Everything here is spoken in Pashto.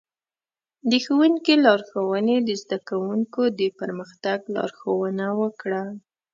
د ښوونکي لارښوونې د زده کوونکو د پرمختګ لارښوونه وکړه.